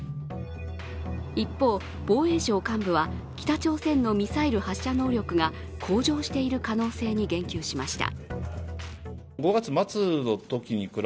一方、防衛省幹部は北朝鮮のミサイル発射能力が向上している可能性に言及しました。